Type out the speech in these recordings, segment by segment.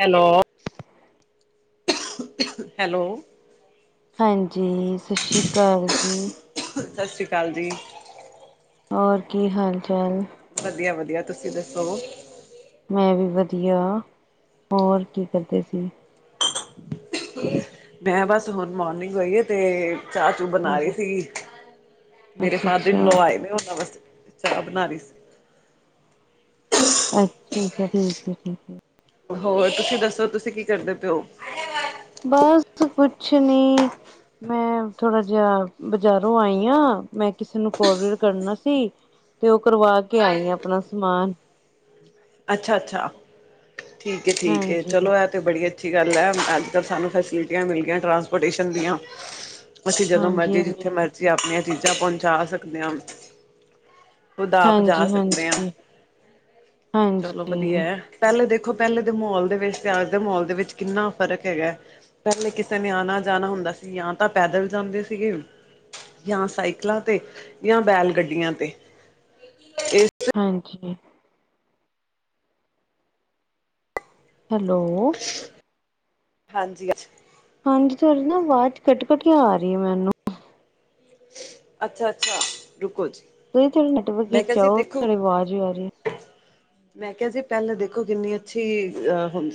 Hello hello. ਹਾਂਜੀ, ਸਤਿ ਸ਼੍ਰੀ ਅਕਾਲ ਜੀ। ਸਤਿ ਸ਼੍ਰੀ ਅਕਾਲ ਜੀ। ਹੋਰ, ਕੀ ਹਾਲ-ਚਾਲ? ਵਧੀਆ, ਵਧੀਆ ਤੁਸੀਂ ਦੱਸੋ ਮੈਂ ਵੀ ਵਧੀਆ। ਹੋਰ ਕੀ ਕਰਦੇ ਸੀ? ਮੈਂ ਬਸ ਹੁਣ ਮੋਰਨਿੰਗ ਹੋਈ ਹੈ, ਤੇ ਚਾਹ ਚੂ ਬਣਾ ਰਹੀ ਅੱਛਾ, ਸੀਗੀ। ਮੇਰੇ ਅੱਛਾ, ਅੱਛਾ, ਫਾਦਰ-ਇੰਨ-ਲੋ ਆਏ ਨੇ ਹੁਣ, ਬਸ। ਚਾਹ ਬਣਾ ਰਹੀ ਸੀ। ਅੱਛਾ-ਅੱਛਾ, ਠੀਕ ਹੈ-ਠੀਕ ਹੈ ਹੋਰ ਤੁਸੀਂ ਦੱਸੋ ਤੁਸੀਂ ਕੀ ਕਰਦੇ ਪਿਓ ਬਸ ਕੁਛ ਨੀ ਮੈਂ ਥੋੜਾ ਜਿਹਾ ਬਜ਼ਾਰੋਂ ਆਈ ਹ ਮੈਂ ਕਿਸੇ ਨੂੰ ਕੋਰੀਅਰ ਕਰਨਾ ਸੀ ਤੇ ਉਹ ਕਰਵਾ ਕੇ ਆਈ ਆ ਆਪਣਾ ਸਮਾਨ ਅੱਛਾ-ਅੱਛਾ, ਠੀਕ ਹੈ, ਠੀਕ ਹੈ ਹਾਂਜੀ, ਚਲੋ ਐ ਤੇ ਬੜੀ ਅੱਛੀ ਗੱਲ ਐ। ਅੱਜ ਕੱਲ ਸਾਨੂੰ ਫੈਸਲਿਟੀਆਂ ਮਿਲਦੀਆਂ ਟਰਾਂਸਪੋਰਟੇਸ਼ਨ ਦੀਆਂ ਅਸੀਂ ਜਦੋਂ ਹਾਂਜੀ, ਮਰਜ਼ੀ ਜਿੱਥੇ ਹਾਂਜੀ। ਮਰਜ਼ੀ ਆਪਣੀਆਂ ਚੀਜ਼ਾਂ ਪਹੁੰਚਾ ਸਕਦੇ ਓ ਖੁਦ ਆਪ ਹਾਂਜੀ, ਜਾ ਸਕਦੇ ਆ ਹਾਂਜੀ, ਚਲੋ ਹਾਂਜੀ, ਵਧੀਆ ਐ। ਪਹਿਲੇ ਦੇਖੋ, ਪਹਿਲੇ ਦੇ ਮਾਹੌਲ ਦੇ ਵਿੱਚ ਤੇ ਅੱਜ ਦੇ ਮਾਹੋਲ ਦੇ ਵਿੱਚ ਕਿੰਨਾ ਫ਼ਰਕ ਹੈਗਾ ਪਹਿਲੇ ਕਿਸੇ ਨੇ ਆਣਾ-ਜਾਣਾ ਹੁੰਦਾ ਸੀ। ਜਾਂ ਤਾਂ ਪੈਦਲ ਜਾਂਦੇ ਸੀਗੇ ਜਾਂ ਸਾਈਕਲਾਂ ਤੇ, ਜਾਂ ਬੈਲ ਗੱਡੀਆਂ ਤੇ। ਇਸ ਹਾਂਜੀ। ਹੈਲੋ। ਹਾਂਜੀ। ਹਾਂਜੀ, ਤੁਹਾਡੀ ਨਾ ਆਵਾਜ਼ ਕੱਟ-ਕੱਟ ਆ ਰਹੀ ਹੈ ਮੈਨੂੰ। ਅੱਛਾ, ਅੱਛਾ ਰੁਕੋ ਜੀ। ਤੁਸੀਂ, ਮੈਂ ਕਿਹਾ ਨੈਟਵਰਕ ਜੀ ਆਓ। ਦੇਖੋ ਤੁਹਾਡੀ ਆਵਾਜ਼ ਹੀ ਆਵਾਜ਼ੀ। ਮੈਂ ਕਿਹਾ ਜੀ, ਪਹਿਲਾਂ ਦੇਖੋ ਕਿੰਨੀ ਅੱਛੀ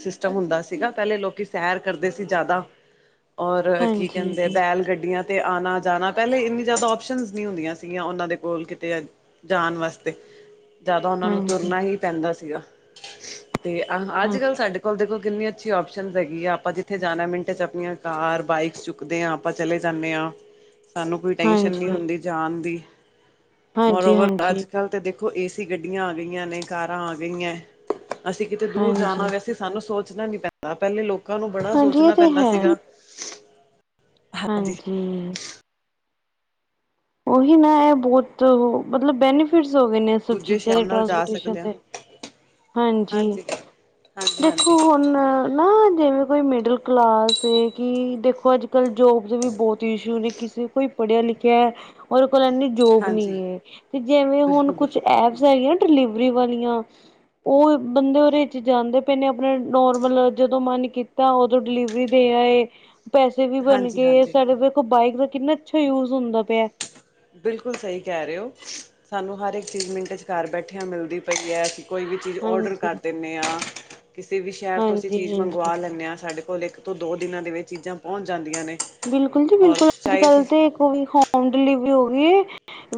ਸਿਸਟਮ ਹੁੰਦਾ ਸੀਗਾ। ਪਹਿਲੇ ਲੋਕੀ ਸੈਰ ਕਰਦੇ ਸੀ ਜ਼ਿਆਦਾ, ਔਰ ਕੀ ਕਹਿੰਦੇ, ਹਾਂਜੀ ਬੈਲ ਗੱਡੀਆਂ। ਤੇ ਆਉਣਾ ਜਾਣਾ ਪਹਿਲੇ ਇੰਨੀ ਜ਼ਿਆਦਾ ਓਪਸ਼ਨ ਨਹੀਂ ਹੁੰਦੀਆਂ ਸੀਗੀਆਂ ਉਹਨਾਂ ਦੇ ਬੋਲ ਕੇ ਤੇ ਜਾਣ ਵਾਸਤੇ ਜ਼ਿਆਦਾ ਉਹਨਾਂ ਨੂੰ ਹਾਂਜੀ ਤੁਰਨਾ ਹੀ ਪੈਂਦਾ ਸੀਗਾ, ਤੇ ਆਹ ਅੱਜਕੱਲ੍ਹ ਹਾਂਜੀ ਸਾਡੇ ਹੁਣ ਦੇਖੋ ਕਿੰਨੀਆਂ ਵਧੀਆ ਓਪਸ਼ਨਾਂ ਹਨ। ਅਸੀਂ ਜਿੱਥੇ ਵੀ ਜਾਣਾ ਹੋਵੇ, ਮਿੰਟਾਂ ਵਿੱਚ ਆਪਣੀਆਂ ਕਾਰਾਂ ਜਾਂ ਬਾਈਕਾਂ ਤੇ ਆਪਾਂ ਚਲੇ ਜਾਂਦੇ ਹਾਂ, ਸਾਨੂੰ ਕੋਈ ਟੈਨਸ਼ਨ ਨਹੀਂ ਹਾਂਜੀ ਹੁੰਦੀ ਜਾਣ ਦੀ ਹਾਂਜੀ ਬਰੋਬਰ ਹਾਂਜੀ ਅੱਜ-ਕਲ ਦੇ ਦਿਨ ਦਖੋ ਏਸੀ ਗੱਡੀਆਂ ਆ ਗਈਆਂ ਨੇ, ਕਾਰਾਂ ਆ ਗਈਆਂ, ਅਸੀਂ ਕਿਤੇ ਦੂਰ ਜਾਣਾ ਹਾਂਜੀ ਵੇ ਸਾਨੂੰ ਸੋਚਣਾ ਨੀ ਪੈਂਦਾ ਪਹਿਲੇ ਲੋਕਾਂ ਨੂੰ ਬੜਾ ਹਾਂਜੀ ਇਹ ਸੋਚਣਾ ਤੇ ਪੈਂਦਾ ਹੈ ਸੀਗਾ ਹਾਂਜੀ- ਉਹੀ ਨਾ ਇਹ ਬਹੁਤ ਮਤਲਬ ਬੈਨੀਫਿਟਸ ਹੋ ਗਏ ਨੇ ਸਭ ਦੂਜੇ ਚੀਜ਼ਾਂ ਦੇ ਸ਼ਾਮ ਨਾਲ ਜਾ ਟਰਾਂਸਪੋਰਟੇਸ਼ਣ ਸਕਦੇ ਹਾਂ ਦੇ- ਹਾਂਜੀ, ਦੇਖੋ ਹਾਂਜੀ-ਹਾਂਜੀ ਹੁਣ ਨਾ ਜਿਵੇਂ ਕੋਈ ਮਿਡਲ ਕਲਾਸ ਕਿ ਦੇਖੋ ਅੱਜ-ਕੱਲ੍ਹ ਜੋਬ ਦੇ ਵੀ ਬਹੁਤ ਇਸ਼ੂ ਨੇ ਕਿਸੇ ਕੋਈ- ਪੜਿਆ-ਲਿਖਿਆ ਉਹਦੇ ਕੋਲ ਐਨੀ- ਜੋਬ ਹਾਂਜੀ ਨਹੀਂ ਹੈ ਤੇ ਜਿਵੇਂ ਹੁਣ ਬਿਲਕੁਲ ਕੁਛ ਬਿਲਕੁਲ ਐਪਸ ਹੈਗੀਆਂ ਨਾ ਡਿਲੀਵਰੀ ਵਾਲੀਆਂ ਉਹ ਬੰਦੇ ਉਹਦੇ ਚ ਜਾਂਦੇ ਪਏ ਨੇ ਆਪਣਾ ਨੋਰਮਲ ਜਦੋਂ ਮਨ ਕੀਤਾ ਜ ਡਿਲੀਵਰੀ ਦੇ ਆਏ- ਪੈਸੇ ਵੀ ਬਣ ਹਾਂਜੀ ਗੇ ਹਾਂਜੀ ਸਾਡੇ ਦੇਖੋ ਬਾਈਕ ਦਾ ਕਿੰਨਾ ਅੱਛਾ ਯੂਜ ਹੁੰਦਾ ਪਿਆ ਬਿਲਕੁਲ ਸਹੀ ਕਹਿ ਰਹੇ ਹੋ, ਸਾਨੂੰ ਹਰ ਇੱਕ ਚੀਜ਼ ਮਿੰਟ ਚ ਘਰ ਬੈਠਿਆਂ ਮਿਲਦੀ ਪਈ ਹੈ ਕੋਈ ਵੀ ਚੀਜ਼ ਔਡਰ ਹਾਂਜੀ, ਕਰ ਦਿੰਦੇ ਹਾਂ, ਕਿਸੇ ਵੀ ਸ਼ਹਿਰ ਤੋਂ ਅਸੀਂ ਹਾਂਜੀ, ਚੀਜ਼ ਹਾਂਜੀ ਮੰਗਵਾ ਲੈਂਦੇ ਹਾਂ ਸਾਡੇ ਇੱਕ ਤੋਂ, ਦੋ ਦਿਨਾਂ ਦੇ ਵਿੱਚ ਚੀਜ਼ਾਂ ਪਹੁੰਚ ਜਾਂਦੀਆਂ ਨੇ- ਬਿਲਕੁਲ ਔਰ ਜੀ-ਬਿਲਕੁਲ ਚਾਹੇ ਅੱਜ-ਕੱਲ ਅਸੀਂ ਤੇ- ਵੀ ਹੋਮ ਡਿਲੀਵਰੀ ਹੋ ਗਈ ਹੈ,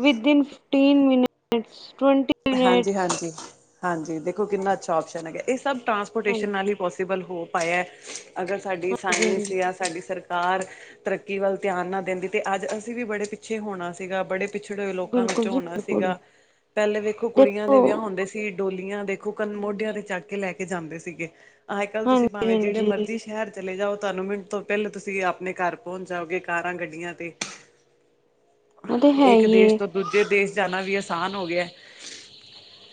ਵਿਦਨ ਫਿਫਟੀਨ ਮਟ ਬਸ ਟਵੈਂਟੀ ਹਾਂਜੀ ਮਨੇਟਸ- ਹਾਂਜੀ ਹਾਂਜੀ ਦੇਖੋ ਕਿੰਨਾ ਅੱਛਾ ਆਪਓਸ਼ਨ ਹੈਗਾ ਇਹ ਸਭ ਟਰਾਂਸਪੋਰਟੇਸ਼ਨ ਹਾਂਜੀ, ਨਾਲ ਹੀ ਪੋਸੀਬਲ ਹੋ ਪਾਇਆ ਅਗਰ ਸਾਡੀ ਹਾਂਜੀ, ਸਾਇੰਸ ਹਾਂਜੀ। ਆ ਸਾਡੀ ਸਰਕਾਰ ਤਰੱਕੀ ਵੱਲ ਧਿਆਨ ਨਾ ਦਿੰਦੀ ਤੇ ਅੱਜ ਅਸੀਂ ਵੀ ਬੜੇ ਪਿੱਛੇ ਹੋਣਾ ਸੀਗਾ ਬੜੇ ਪਿਛੜੇ ਹੋਏ ਲੋਕਾਂ ਬਿਲਕੁਲ ਵਿੱਚੋਂ ਜੀ ਹੋਣਾ ਬਿਲਕੁਲ ਸੀਗਾ, ਪਹਿਲੇ ਵੇਖੋ ਕੁੜੀਆਂ ਦੇ ਦੇਖੋ ਵਿਆਹ ਹੁੰਦੇ ਸੀ ਡੋਲੀਆਂ ਦੇਖੋ ਮੋਢਿਆਂ ਹਾਂਜੀ, ਤੇ ਚੜ ਕੇ ਲੈ ਕੇ ਜਾਂਦੇ ਸੀਗੇ ਅੱਜ-ਕੱਲ ਤੁਸੀਂ ਹਾਂਜੀ, ਭਾਵੇਂ ਜਿਹੜੇ ਮਰਜ਼ੀ ਹਾਂਜੀ। ਸ਼ਹਿਰ ਚਲੇ ਜਾਓ ਤੁਹਾਨੂੰ ਮਿੰਟ ਤੋਂ ਪਹਿਲਾਂ ਤੁਸੀਂ ਆਪਣੇ ਘਰ ਪਹੁੰਚ ਜਾਓਗੇ ਕਾਰਾਂ ਗੱਡੀਆਂ ਤੇ ਉਹ ਤੇ ਹੈ ਇੱਕ ਹੀ ਦੇਸ਼ ਏ ਤੋਂ ਦੂਜੇ ਦੇਸ ਜਾਣਾ ਵੀ ਆਸਾਨ ਹੋ ਗਿਆ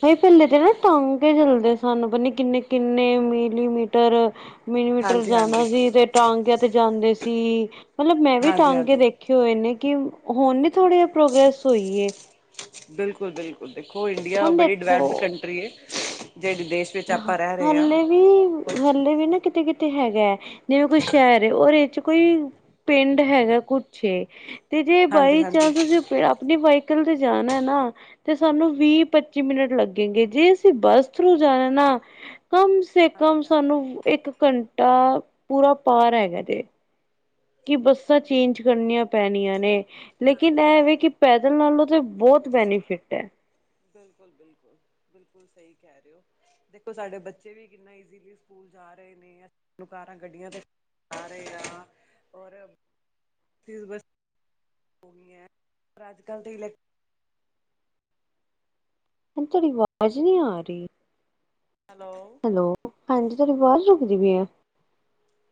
ਭ ਪਹਿਲੇ ਤੇ ਨਾ ਟਾਂਗੇ ਚੱਲਦੇ ਸਨ ਪਤਾ ਨੀ ਕਿੰਨੇ-ਕਿੰਨੇ ਮਿਲੀਮੀਟਰ ਮਿਨੀਮੀਟਰ ਹਾਂਜੀ ਹਾਂਜੀ ਜਾਣਾ ਸੀ ਤੇ ਟਾਂਗਿਆਂ ਤੇ ਜਾਂਦੇ ਸੀ, ਮਤਲਬ ਮੈਂ ਵੀ ਹਾਂਜੀ ਟਾਂਗੇ ਹਾਂਜੀ ਦੇਖ ਕੀ ਹੋਏ ਨੇੇ ਕਿ ਹੁਣ ਨੀ ਥੋੜੀ ਜੀ ਪ੍ਰੋਗਰੈਸ ਹੋਈਖ ਐ ਬਿਲਕੁਲ ਬਿਲਕੁਲ ਦੇਖੋ ਇੰਡੀਆ ਹੁਣ ਬੜੀ ਡਿਵੈਲਪਡ ਦੇਖੋ ਕੰਟਰੀ ਹੈ ਜਿਹੜੇ ਦੇਸ਼ ਵਿੱਚ ਆਪਾਂ ਰਹਿ ਰਹੇ ਹਾਂ ਹਲੇ ਵੀ ਹਲੇ ਵੀ ਨਾ ਕਿਤੇ ਕਿਤੇ ਤੇ ਹੈਗਾ ਹੈ ਜਿਵੇਂ ਕੋਈ ਸ਼ਹਿਰ ਇਹ ਚ ਕੋਈ ਪਿੰਡ ਹੈਗਾ ਕੁਛੇ ਤੇ ਜੇ ਹਾਂਜੀ ਹਾਂਜੀ ਬਾਈ ਹਾਂਜੀ ਚਾਂਸ ਅਸੀਂ ਆਪਣੀ ਵਾਈਕਲ ਤੇ ਜਾਣਾ ਨਾ ਤੇ ਸਾਨੂੰ ਵੀਹ ਪੱਚੀ ਮਿੰਟ ਲੱਗੇ ਗ ਜੇ ਅਸੀਂ ਬੱਸ ਥਰੂ ਜਾਣਾ ਨਾ ਕਮ ਸੇ ਕਮ ਹਾਂਜੀ ਸਾਨੂੰ ਇੱਕ ਘੰਟਾ ਪੂਰਾ ਪਾਰ ਹੈਗਾ ਤੇ ਕਿ ਬੱਸਾਂ ਬਿਲਕੁਲ ਚੇਂਜ ਕਰਨੀਆਂ ਪੈਣੀਆਂ ਨੇ ਲੇਕਿਨ ਹਾਂਜੀ ਇਹਵੇ ਹਾਂਜੀ ਕਿ ਪੈਦਲ ਨਾਲੋਂ ਤਾਂ ਬਹੁਤ ਬੈਨੀਫਿਟ ਹੈ। [inaudible] ਦੇਖੋ ਸਾਡੇ ਬੱਚੇ ਵੀ ਕਿੰਨਾ ਈਜ਼ੀਲੀ ਸਕੂਲ ਜਾ ਰਹੇ ਨੇ ਕਾਰਾਂ ਗੱਡੀਆਂ ਤੇ [unintelligible] [unintelligible] ਪਰ ਅੱਜ-ਕੱਲ੍ਹ [unintelligible] ਤੁਵਾਡੀ ਆਵਾਜ਼ ਨੀ ਆ ਰਹੀ। ਹੈਲੋ। ਹੈਲੋ ਹਾਂਜੀ ਤੁਵਾਡੀ ਆਵਾਜ਼ ਰੁਕਦੀ ਪੀ ਏ।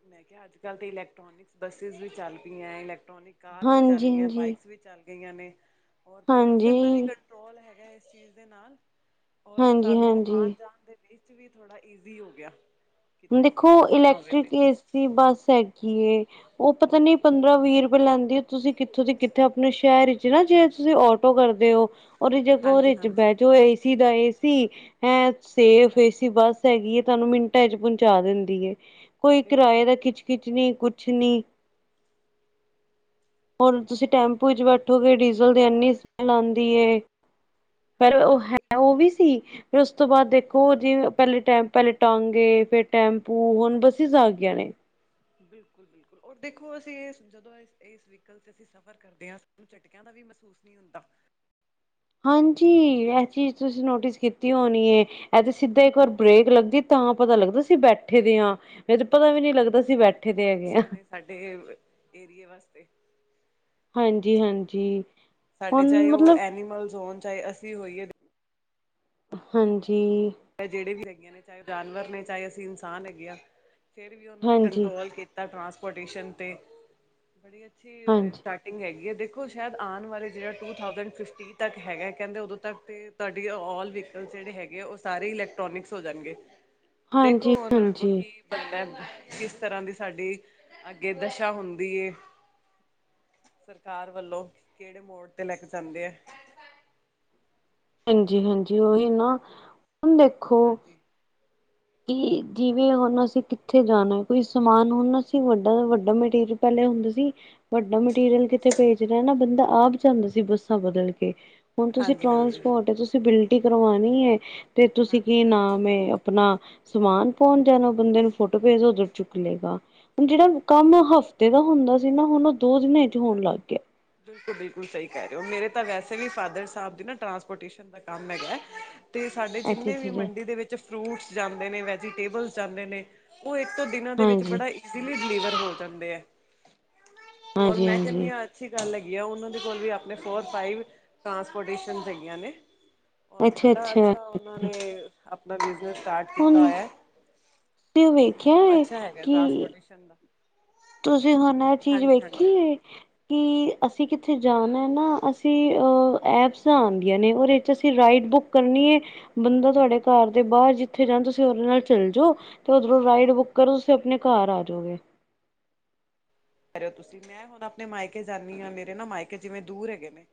ਮੈਂ ਕਿਹਾ ਅੱਜ ਕੱਲ੍ਹ ਤੇ ਇਲੈਕਟ੍ਰੋਨਿਕਸ ਬੱਸਿਸ ਵੀ ਚੱਲ ਪਈਆਂ ਹੈ ਇਲੈਕਟ੍ਰੋਨਿਕ। ਕਾਰ ਵੀ ਚੱਲ ਹਾਂਜੀ ਗਈਆਂ ਹਾਂਜੀ ਬਾਈਕਸ ਵੀ ਚੱਲ ਗਈਆਂ ਨੇ ਔਰ ਪੋਲਿਊਸ਼ਨ ਦਾ ਵੀ ਹਾਂਜੀ ਰੋਲ ਹੈਗਾ ਇਸ ਚੀਜ਼ ਦੇ ਨਾਲ। ਔਰ ਸਾਨੂੰ ਹਾਂਜੀ--ਹਾਂਜੀ। ਆਉਣ [unintelligible] ਵੀ ਥੋੜਾ ਈਜ਼ੀ ਹੋ ਗਿਆ। ਕਿਤੇ ਅਸੀਂ ਦੇਖੋ ਆਉਣਾ ਜਾਣਾ ਹੋਵੇ ਤੇ ਇਲੈਕਟ੍ਰਿਕ ਏਸੀ ਬੱਸ ਹੈਗੀ ਏ ਉਹ ਪਤਾ ਨੀ ਪੰਦਰਾਂ ਹਾਂਜੀ ਵੀਹ ਰੁਪ ਲੈਂਦੀ ਆ ਤੁਸੀਂ ਕਿੱਥੋਂ ਦੀ ਕਿੱਥੇ ਆਪਣੇ ਸ਼ਹਿਰ ਚ ਨਾ ਜੇ ਤੁਸੀਂ ਆਟੋ ਕਰਦੇ ਹੋ, [unintelligible] ਉਹਦੇ ਹਾਂਜੀ ਚ ਹਾਂਜੀ ਬਹਿ ਜਾੋ ਏਸੀ ਦਾ ਏਸੀ ਹੈਂ ਤੇ ਹਾਂਜੀ ਸੇਫ ਹਾਂਜੀ ਏਸੀ ਬਸ। ਹੈਗੀ ਹੈ ਤੁਹਾਨੂੰ ਮਿੰਟਾਂ ਚ ਪਹੁੰਚਾ ਦਿੰਦੀ ਏ ਕੋਈ ਕਿਰਾਏ ਬਿਲਕੁਲ ਦਾ ਖੱਚ ਖਿੱਚਣੀ ਕੁਛ ਨੀ, ਹੋਰ ਤੁਸੀਂ ਟੈਂਪੂ ਚ ਬੈ ਉੱਠੋ ਤੇ ਡੀਜ਼ਲ ਦੀ ਬਿਲਕੁਲ ਇੰਨੀ ਸਮੇਲ ਆਂਦੀ ਏ ਪਰ ਹਾਂਜੀ ਉਹ ਹਾਂਜੀ ਹੈ ਬਿਲਕੁਲ ਉਹ ਵੀ ਸੀ। ਫਿਰ ਉਸ ਤੋਂ ਬਾਦ ਦੇਖੋ ਜੀ ਪਹਿਲੇ ਟਾਈਮ ਪਹਿਲੇ ਟਾਂਗੇ ਫ਼ੇਰ, ਟੈਂਪੂ ਹੁਣ ਬੱਸਿਸ ਆ ਗਈਆਂ ਨੇ। [inaudible] ਦੇਖੋ ਅਸੀਂ ਇਸ ਜਦੋਂ ਏਸ ਵਹਿਕਲ ਚ ਅਸੀਂ ਸਫ਼ਰ ਕਰਦੇ ਹਾਂ ਸਾਨੂੰ ਝਟਕਿਆਂ ਦਾ ਵੀ ਮਹਿਸੂਸ ਨੀ ਹੁੰਦਾ। ਹਾਂਜੀ ਇਹ ਚੀਜ਼ ਤੁਸੀਂ ਨੋਟਿਸ ਕੀਤੀ ਹੋਣੀ ਏ। ਇਹ ਤੇ ਸਿੱਧਾ ਇੱਕ ਵਾਰ ਬ੍ਰੇਕ ਲੱਗਦੀ ਤਾਂ ਪਤਾ ਲੱਗਦਾ ਅਸੀਂ ਬੈਠੇ ਦੇ ਹਾਂ। ਨਹੀ ਤੇ ਪਤਾ ਵੀ ਨੀ ਲੱਗਦਾ ਅਸੀ ਬੈਠ, ਬਹੁਤ ਅੱਛੀਆਂ ਨੇ ਸਾਡੇ ਏਰੀਏ ਵਾਸਤੇ। ਹਾਂਜੀ--ਹਾਂਜੀ। ਸਾਡੇ ਚਾਹੇ ਉਹ ਐਨੀਮਲਸ ਹੋਣ ਚਾਹੇ ਅਸੀਂ ਹੋਈਏ, ਹਾਂਜੀ। ਅਹ ਜੇੜੇ ਵੀ ਹੈਗੇ ਨੇ ਚਾਹੇ ਉਹ ਜਾਨਵਰ ਨੇ ਚਾਹੇ ਅਸੀਂ ਇਨਸਾਨ ਹੈਗੇ ਆ ਫੇਰ ਵੀ ਉਹਨਾਂ ਨੇ ਹਾਂਜੀ ਕੰਟਰੋਲ, ਟਰਾਂਸਪੋਰਟੇਸ਼ਨ ਤੇ ਬੜੀ ਹਾਂਜੀ ਅੱਛੀ ਹੈਗੀ ਹੈ ਦੇਖੋ ਸ਼ਾਇਦ ਆਣ ਵਾਲੇ ਜੇੜਾ ਟੂ ਥਾਉਸੰਡ ਫਿਫਟੀ ਤੱਕ ਹੈਗਾ ਕਹਿੰਦੇ ਉਦੋਂ ਤੱਕ ਤੇ। ਤੁਵਾਡੇ ਆਲ ਵਹੀਕਲਸ ਜੇੜੇ ਹੈਗੇ ਆ ਉਹ ਸਾਰੇ ਇਲੈਕਟ੍ਰੋਨਿਕਸ ਹੋ ਜਾਣਗੇ। ਦੇਖੋ ਹਾਂਜੀ ਹੁਣ ਅਗੋ ਹਾਂਜੀ ਕੀ, ਕਿਸ ਤਰ੍ਹਾਂ ਦੀ ਸਾਡੀ ਅੱਗੇ ਦਸ਼ਾ ਹੁੰਦੀ ਏ? ਸਰਕਾਰ ਵੱਲੋਂ ਕੇੜੇ ਮੋੜ ਤੇ ਲੈ ਕੇ ਜਾਂਦੇ ਹੈ। ਹਾਂਜੀ-ਹਾਂਜੀ ਓਹੀ ਨਾ ਹੁਣ ਦੇਖੋ, ਹਾਂਜੀ ਕਿ ਜਿਵੇਂ ਹੋਣ ਅਸੀ ਕਿੱਥੇ ਜਾਣਾ ਕੋਈ ਸਮਾਨ ਹੁਣ ਅਸੀ ਵਡਾ ਤੋ ਵੱਡਾ ਮਟੀਰੀਅਲ ਪਹਿਲੇ ਹੁੰਦੇ ਸੀ ਵੱਡਾ ਮਟੀਰੀਅਲ ਕਿਤੇ ਭੇਜਨਾ ਨਾ, ਬੰਦਾ ਆਪ ਜਾਂਦਾ ਸੀ ਬੱਸਾਂ ਬਦਲ ਕੇ। ਹੁਣ ਤੁਸੀਂ ਹਾਂਜੀ ਹਾਂਜੀ ਟਰਾਂਸਪੋਰਟ, ਤੁਸੀਂ ਬਿਲਟੀ ਕਰਵਾਣੀ ਹੈ, ਤੇ ਤੁਸੀਂ ਹਾਂਜੀ ਕੀ ਹਾਂਜੀ ਨਾਮ ਐ, ਆਪਣਾ ਸਮਾਨ ਪਾਉਣ ਜਾਣਾ, ਬੰਦੇ ਨੂੰ ਫੋਟੋ ਭੇਜ ਦੋ, ਉੱਧਰੋ ਚੁੱਕ ਲਏਗਾ, ਹੁਣ ਜਿਹੜਾ ਕੰਮ ਬਿਲਕੁਲ ਹਫ਼ ਏਦਾ ਹੁੰਦਾ ਸੀ ਨਾ ਹੁਣ ਉਹ ਦੋ ਦਿਨਾਂ ਚ ਹੋਣ ਲੱਗ ਹਾਂਜੀ ਗਿਆ। ਬਿਲਕੁਲ ਬਿਲਕੁਲ ਸਹੀ ਕਹਿ ਰਹੇ ਹੋ ਮੇਰੇ ਤਾਂ ਵੈਸੇ ਵੀ ਫਾਦਰ ਸਾਹਿਬ ਦੀ ਨਾ ਟ੍ਰਾਂਸਪੋਟੇਸ਼ਨ ਦਾ ਕੰਮ ਹੈਗਾ। ਤੇ ਸਾਡੇ ਅੱਛਾ ਜਿੰਨੇ ਵੀ ਅੱਛਾ ਮੰਡੀ ਦੇ ਵਿੱਚ ਫਰੂਟਸ ਜਾਂਦੇ ਨੇ ਵੈਜੀਟੇਬਲਸ ਜਾਂਦੇ ਨੇ, ਉਹ ਇੱਕ ਦੋ ਦਿਨਾਂ ਦੇ ਵਿੱਚ ਹਾਂਜੀ ਬੜਾ ਈਸਿਲੀ ਡਿਲੀਵਰ ਹੋ ਜਾਂਦੇ ਹੈ। ਔਰ ਹਾਂਜੀ ਮੈ ਕਹਣੀ ਹਾਂਜੀ ਆ, ਅੱਛੀ ਗੱਲ ਹੈਗੀ ਆ ਉਹਨਾਂ ਦੇ ਕੋਲ ਵੀ ਆਪਣੇ ਫੋਰ ਫਾਈਵ ਟਰਾਂਸਪੋਰਟੇਸ਼ਨ ਹੈਗੀਆਂ ਨੇ। ਔਰ ਬੜਾ ਅੱਛਾ ਉਹਨਾਂ ਨੇ ਆਪਣਾ ਬਿਜਨਸ ਸਟਾਰਟ ਕੀਤਾ ਹੁਣ ਹੋਇਆ ਤੇ ਵੇਖਿਆ ਸਿਸਟਮ ਹੈ ਅੱਛਾ ਹੈਗਾ ਕਿ ਟਰਾਂਸਪੋਰਟੇਸ਼ਨ ਦਾ। ਤੁਸੀਂ ਹੁਣ ਇਹ ਚੀਜ਼ ਹਾਂਜੀ ਵੇਖੀ ਹਾਂਜੀ ਏ ਕਿ ਅਸੀਂ ਕਿੱਥੇ ਜਾਣਾ ਨਾ ਅਸੀਂ, ਐਪਸ ਆਦੀਆਂ ਨੇ ਓਹਦੇ ਚ ਤੁਸੀ ਰਾਈਡ ਬੁੱਕ ਕਰਨੀ ਏ। ਬੰਦਾ ਤੁਹਾਡੇ ਘਰ ਦੇ ਬਾਹਰ ਜਿੱ ਉੱਥੇ ਜਾਣ, ਤੁਸੀਂ ਉਹਦੇ ਨਾਲ ਚੱਲ ਜਾਓ, ਤੇ ਉਧਰੋਂ ਰਾਈਡ ਬੁੱਕ ਕਰੋ, ਤੁਸੀਂ ਆਪਣੇ ਘਰ ਆ ਜਾਓਗੇ। ਕਰਿਓ ਤੁਸੀਂ, ਮੈਂ ਹੁਣ ਆਪਣੇ ਮਾਇਕੇ ਜਾਂਨੀ ਆਂ, ਮੇਰੇ ਨਾ ਮਾਇਕੇ ਜਿਵੇਂ ਦੂਰ ਹੈਗੇ ਨੇ।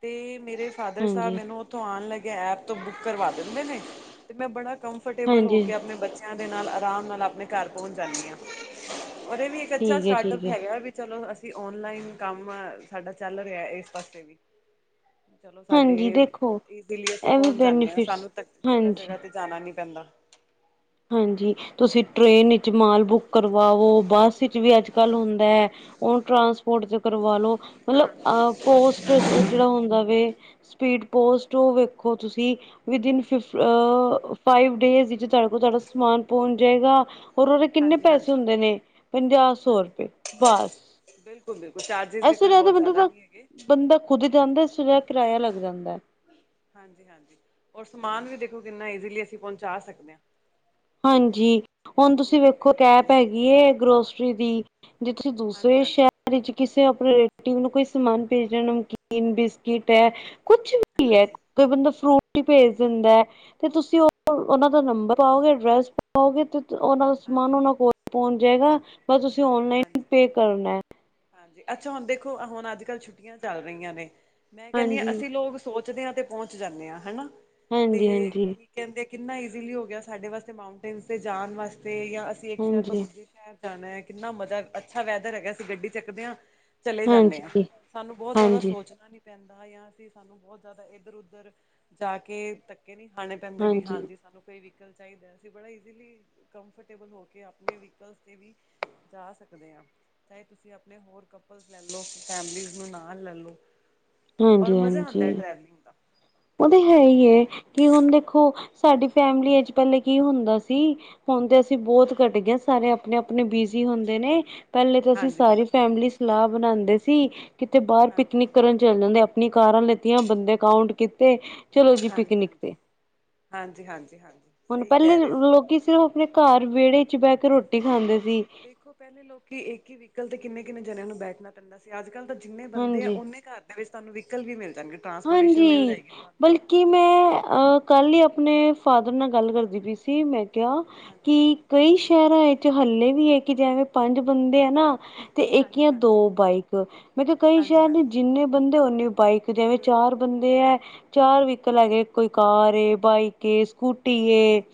ਤੇ ਮੇਰੇ ਫਾਦਰ ਸਾਹਿਬ ਹਾਂਜੀ ਮੈਨੂੰ ਉੱਥੋਂ ਆਉਣ ਲੱਗਿਆ ਐਪ ਤੋਂ ਬੁੱਕ ਕਰਵਾ ਦਿੰਦੇ ਨੇ, ਤੇ ਮੈਂ ਬੜਾ ਕੰਫਰਟੇਬਲ ਹੋ ਹਾਂਜੀ ਕੇ, ਆਪਣੇ ਬੱਚਿਆਂ ਦੇ ਨਾਲ ਆਰਾਮ ਨਾਲ ਆਪਣੇ ਘਰ ਪਹੁੰਚ ਜਾਂਦੀ ਹਾਂ, ਔਰ ਇਹ ਵੀ ਇੱਕ ਅੱਛਾ ਠੀਕ ਹੈ ਠੀਕ ਸਟਾਰਟਅਪ ਹੈ ਹੈਗਾ, ਵੀ ਚਲੋ ਅਸੀਂ ਔਨਲਾਈਨ ਕੰਮ ਸਾਡਾ ਚੱਲ ਰਿਹਾ ਇਸ ਪਾਸੇ ਵੀ। ਚਲੋ ਸਾਡੇ, ਹਾਂਜੀ ਦੇਖੋ ਇਸਦੇ ਲਈ ਅਸੀਂ ਇਹ ਵੀ ਪਹੁੰਚ ਜਾਂਨੇ ਆਂ, ਬੈਨੀਫਿਟਸ ਸਾਨੂੰ ਤ ਜਗ੍ਹਾ ਹਾਂਜੀ ਜਗ੍ਹਾ ਤੇ ਜਾਣਾ ਨੀ ਪੈਂਦਾ। ਹਾਂਜੀ ਤੁਸੀਂ ਟ੍ਰੇਨ ਵਿੱਚ ਮਾਲ ਬੁੱਕ ਕਰਵਾਔ, ਬੱਸ ਵਿੱਚ ਵੀ ਅੱਜ ਕੱਲ ਹੁੰਦਾ ਹੈ। ਉਹਨੂੰ ਟ੍ਰਾਂਸਪੋਰਟ ਤੇ ਕਰਵਾਲੋ, ਮਤਲਬ ਪੋਸਟ ਜਿੜਾ ਹੁੰਦਾ ਵੇ ਸਪੀਡ ਪੋਸਟ, ਔ ਵੇਖੋ ਤੁਸੀਂ ਵਿਦ ਇਨ ਫਾਈਵ ਡੇਜ਼ ਵਿਜ ਉਹ ਤੁਹਾਡਾ ਸਮਾਨ ਪਹੁੰਚ ਜਾਏਗਾ। ਹੋਰ ਉਹਦੇ ਕਿੰਨੇ ਹਾਂਜੀ ਪੈਸੇ ਹਾਂਜੀ ਹੁੰਦੇ ਨੇ, ਪੰਜਾਹ, ਸੌ ਹਾਂਜੀ ਰੁਪਏ, ਬਸ। ਬਿਲਕੁਲ ਬਿਲਕੁਲ ਚਾਰਜਿਸ ਵੀ ਇਸ ਤੋਂ ਕੋਈ ਬਹੁਤ ਬੰਦੇ ਜ਼ਿਆਦਾ ਦਾ ਨਹੀਂ ਹੈਗੇ। ਬੰਦਾ ਖੁਦ ਜਾਂਦਾ, ਇਸ ਤੋ ਵੱਧ ਕਿਰਾਇਆ ਲੱਗ ਜਾਂਦਾ ਐ। ਹਾਂਜੀ ਹਾਂਜੀ, ਔਰ ਸਮਾਨ ਵੀ ਦੇਖੋ ਕਿੰਨਾ ਈਜ਼ੀਲੀ ਅਸੀਂ ਪਹੁੰਚਾ ਸਕਦੇ ਹਾਂ। ਹਾਂਜੀ ਹੁਣ ਅੱਛੀ ਤੁਸੀਂ ਗੱਲ ਵੇਖੋ, ਹੈਗੀ ਹੈ ਐੱਪ ਹੈਗੀ ਹੈ, ਗਰੋਸਰੀ ਦੀ। ਜੇ ਤੁਸੀਂ ਹਾਂਜੀ ਦੂਸਰੇ ਹਾਂਜੀ ਸ਼ਹਿਰ ਵਿਚ ਕਿਸੇ ਆਪਣੇ ਰੀਲੇਟਿਵ ਨੂੰ ਕੋਈ ਸਮਾਨ ਭੇਜਣਾ, ਨਮਕੀਨ ਬਿਸਕਿਟ ਹੈ ਕੁਛ ਵੀ ਹੈ ਹਾਂਜੀ ਕੋਈ ਬੰਦਾ ਫਰੂਟ ਹੀ ਭੇਜ ਦਿੰਦਾ ਹੈ, ਤੇ ਤੁਸੀਂ ਉਹ ਉਹਨਾਂ ਦਾ ਨੰਬਰ ਪਾਓਗੇ ਐਡਰੈੱਸ ਪਾ ਔ ਗੇ, ਤੇ ਉਹਨਾਂ ਦਾ ਸਮਾਨ ਹਾਂਜੀ ਉਹਨਾਂ ਕੋਲ ਪਹੁੰਚ ਜਾਏਗਾ, ਬਸ ਤੁਸੀਂ ਔਨਲਾਈਨ ਹਾਂਜੀ ਪੇ ਕਰਨਾ ਐ। ਹਾਂਜੀ, ਅੱਛਾ ਹੁਣ ਦੇਖੋ ਹੁਣ ਅੱਜ ਕੱਲ੍ਹ ਛੁੱਟੀਆਂ ਚੱਲ ਰਹੀਆਂ ਨੇ, ਮੈਂ ਕਹਿੰਦੀ ਹਾਂ ਹਾਂਜੀ ਅਸੀਂ ਲੋਕ ਸੋਚਦੇ ਹਾਂ ਤੇ ਪਹੁੰਚ ਜਾਂਨੇ ਆਂ, ਹੈਨਾ, ਤੇ ਹਾਂਜੀ ਹਾਂਜੀ ਕੀ ਕਹਿੰਦੇ ਆ, ਕਿੰਨਾ ਈਜ਼ੀਲੀ ਹੋ ਗਿਆ ਸਾਡੇ ਵਾਸਤੇ, ਮਾਊਟੇਨ ਤੇ ਜਾਣ ਵਾਸਤੇ, ਜਾਂ ਅਸੀਂ ਇੱਕ ਸ਼ਹਿਰ ਤੋਂ ਹਾਂਜੀ ਦੂਜੇ ਸ਼ਹਿਰ ਜਾਣਾ ਹੈ, ਕਿੰਨਾ ਮਜ਼ਾ ਅੱਛਾ ਵੈਦਰ ਹੈਗਾ, ਅਸੀਂ ਗੱਡੀ ਚੱਕਦੇ ਹਾਂ ਚਲੇ ਜਾਂਨੇ ਆਂ, ਹਾਂਜੀ ਸਾਨੂੰ ਬਹੁਤ ਜ਼ਿਆਦਾ ਹਾਂਜੀ ਸੋਚਣਾ ਨੀ ਪੈਂਦਾ, ਜਾਂ ਅਸੀਂ ਸਾਨੂੰ ਬਹੁਤ ਜ਼ਿਆਦਾ ਇੱਧਰ ਉੱਧਰ ਜਾ ਕੇ ਤ ਏ ਨਹੀਂ ਖਾਣੇ ਪੈਂਦੇ, ਵੀ ਹਾਂਜੀ ਸਾਨੂੰ ਕੋਈ ਵੀ ਸਾਈਕਲ ਚਾਹੀਦਾ, ਅਸੀ ਬੜੇ ਇਜ਼ੀਲੀ ਕੰਫਰਟੇਬਲ ਹੋ ਕੇ, ਆਪਣੇ ਵਹਿਕਲਸ ਤੇ ਵੀ ਜਾ ਸਕਦੇ ਹਾਂ, ਚਾਹੇ ਤੁਸੀਂ ਆਪ ਆਪਣੇ ਹੋਰ ਕਪਲ ਲੈ ਲੋ, ਫੈਮਲੀ ਨੂੰ ਨਾਲ ਲੈ ਲੋ ਔਰ ਹਾਂਜੀ ਮਜ਼ਾ ਆਉਦਾ ਹੈ, ਹਾਂਜੀ ਟਰੈਵਲਿੰਗ ਦਾ। ਉਹ ਤਾਂ ਹੈ ਤੁਸੀਂ ਈ ਐ, ਕਿ ਹੁਣ ਦੇਖੋ ਸਾਡੀ ਫੈਮਲੀਆਂ ਚ ਪਹਿਲਲੇ ਕੀ ਹੁੰਦਾ ਸੀ ਹੁਣ ਤੇ ਅਸੀਂ ਬਹੁਤ ਕੱਟ ਗਏ ਸਾਰੇ ਆਪਣੇ- ਆਪਣੇ ਬਿਜੀ ਹੁੰਦੇ ਨੇ। ਪਹਿਲੇ ਤਾਂ ਅਸੀਂ ਹਾਂਜੀ ਸਾਰੀ ਹਾਂਜੀ ਫੈਮਿਲੀ ਸਲਾਹ ਬਣਾਉਂਦੇ ਸੀ, ਕਿਤੇ ਬਾਹਰ ਹਾਂਜੀ ਹਾਂਜੀ ਪਿਕਨਿਕ ਹਾਂਜੀ ਕਰਨ ਚੱਲ ਜਾਂਦੇ ਆਪਣੀ ਕਾਰਾਂ ਲਿੱਤੀਆਂ, ਬੰਦੇ ਕਾਉਂਟ ਕੀਤੇ ਚਲੋ ਜੀ ਪਿਕਨਿਕ ਤੇ, ਹਾਂਜੀ ਹਾਂਜੀ ਹਾਂਜੀ ਹਾਂਜੀ ਹੁਣ ਸਹੀ ਪਹਿਲੇ ਕਹਿ ਰਹੇ ਹੋ। ਲੋਕੀ ਸਿਰਫ ਆਪਣੇ ਘਰ ਵਿਹੜੇ ਚ ਬਹਿ ਕੇ ਰੋਟੀ ਪਹਿਲੇ ਖਾਂਦੇ ਸੀ ਲੋਕੀ ਦੇਖੋ ਪਹਿਲੇ ਲੋਕੀ, ਇੱਕ ਹੀ ਵਹੀਕਲ ਤੇ ਕਿੰਨੇੰ ਕਿੰਨੇ ਜਣਿਆਂ ਨੂੰ ਬੈਠਣਾ ਪੈਂਦਾ ਸੀ, ਅੱਜ ਕੱਲ੍ਹ ਤਾਂ ਜਿੰਨੇ ਬੰਦੇ ਆ ਹਾਂਜੀ ਓਨੇ ਘਰ ਵਿੱਚ ਤੁਹਾਨੂੰ ਵੀਹੀਕਲ ਵੀ ਮਿਲ ਜਾਣਗੇ, ਟਰਾਂਸਪੋਰਟੇਸ਼ਨ ਮਿਲ ਜਾਏਗੀ ਤੁਹਾਨੂੰ। ਕੀ ਮੈਂ, ਅ ਕੱਲ ਹੀ ਆਪਣੇ ਫਾਦਰ ਨਾਲ ਗੱਲ ਕਰਦੀ ਪਈ ਸੀ, ਮੈਂ ਕੇਹਾ, ਹਾਂਜੀ ਕੀ ਕਈ ਸ਼ਹਿਰਾਂ ਵਿੱਚ ਹੱਲੇ ਵੀ ਹੈ, ਕਿ ਜਿਵੇਂ ਪੰਜ ਬੰਦੇ ਆ ਨਾ ਤੇ ਇੱਕ ਹਾਂਜੀ ਜਾਂ ਦੋ ਹਾਂਜੀ ਬਾਈਕ, ਮੈਂ ਕਿਹਾ ਕਈ ਹਾਂਜੀ ਸ਼ਹਿਰ ਨੇ ਹਾਂਜੀ ਜਿੰਨੇ ਬੰਦੇ ਨੀ ਬਾਈਕ ਤੇ ਬਿਲਕੁਲ ਚਾਰ ਬਿਲਕੁਲ ਬੰਦੇ ਹੈ, ਚਾਰ ਵਹਿਕਲ ਹੈਗੇ, ਕੋਈ ਕਾਰ ਏ, ਬਾਈਕ ਕੇ ਸਕੂਟੀ ਐ, ਹਾਂਜੀ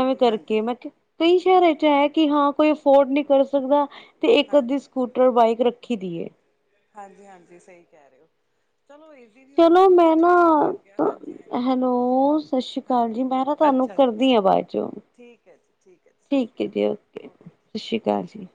ਐਵੇਂ ਕਰਕੇ, ਹਾਂਜੀ ਮੈਂ ਕਿਹਾ ਕਈ ਸ਼ਹਿਰਾਂ ਚ ਹੈ, ਕਿ ਹਾਂ ਕੋਈ ਅਫੋਰਡ ਨਹੀਂ ਕਰ ਸਕਦਾ, ਤੇ ਇੱਕ ਅੱਧੀ ਹਾਂਜੀ ਸਕੂ ਤੇ ਬਾਈਕ ਰੱਖੀ ਦੀ ਏ ਹਾਂਜੀ ਹਾਂਜੀ ਸਹੀ ਕਹਿ ਰਹੇ ਹੋ, ਚਲੋ ਵੀ ਹੋ ਗਿਆ ਚਲੋ ਮੈਂ ਨਾ, ਕੰਫਰਟੇਬਲ ਵੀ ਹੋ ਗਿਆ ਹਾਂਜੀ ਹਾਂਜੀ ਹੈਲੋ ਸਤਿ ਸ਼੍ਰੀ ਅਕਾਲ ਜੀ, ਹਾਂਜੀ ਮੈਂ ਨਾ ਤੁਹਾਨੂੰ ਅੱਛਾ ਜੀ ਕਰਦੀ ਆ ਬਾਅਦ ਚੋਂ ਠੀਕ ਹੈ ਜੀ ਠੀਕ ਹੈ ਜੀ ਸਤਿ ਸ਼੍ਰੀ ਅਕਾਲ ਓਕੇ ਜੀ। ਸਤਿ ਸ਼੍ਰੀ ਅਕਾਲ ਜੀ।